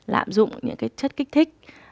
lạm dụng những cái chất kích thích